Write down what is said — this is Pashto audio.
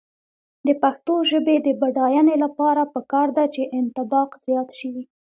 د پښتو ژبې د بډاینې لپاره پکار ده چې انطباق زیات شي.